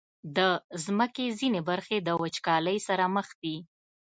د مځکې ځینې برخې د وچکالۍ سره مخ دي.